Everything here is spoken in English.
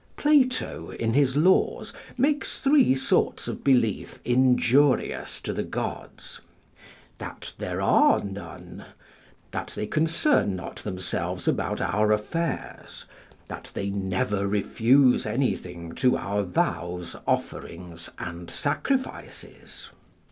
Plato in his Laws, makes three sorts of belief injurious to the gods; "that there are none; that they concern not themselves about our affairs; that they never refuse anything to our vows, offerings, and sacrifices."